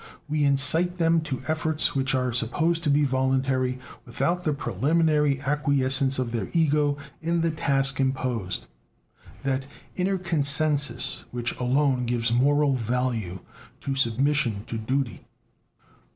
We incite them to efforts which are supposed to be voluntary without the preliminary acquiescence of their ego in the task imposed, that inner consensus which alone gives moral value to submission to duty."